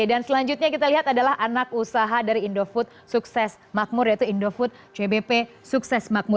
dan selanjutnya kita lihat adalah anak usaha dari indofood sukses makmur yaitu indofood cbp sukses makmur